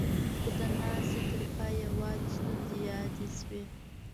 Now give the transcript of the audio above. خو د ناستې تر پايه يواځې ستونزې يادې شوې.